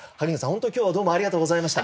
ホントに今日はどうもありがとうございました。